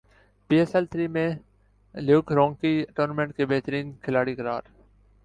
پی S L three میں Luke Ronchi tournament کے بہترین کھلاڑی قرار